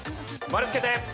丸つけて。